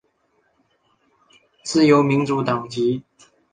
自由民主党籍。